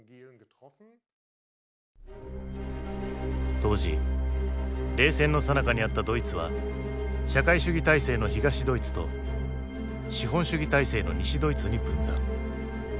当時冷戦のさなかにあったドイツは社会主義体制の東ドイツと資本主義体制の西ドイツに分断。